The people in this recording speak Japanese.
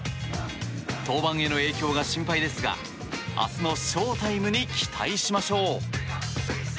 登板への影響が心配ですが明日のショウタイムに期待しましょう。